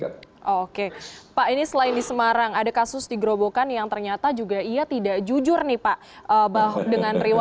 terima kasih pak dir